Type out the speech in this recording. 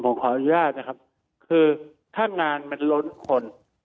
ผมขออนุญาตคือถ้างานมันลดคน